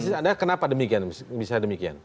nah kenapa bisa demikian